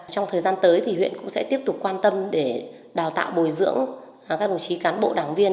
trong thời gian tới thì huyện cũng sẽ tiếp tục quan tâm để đào tạo bồi dưỡng các đồng chí cán bộ đảng viên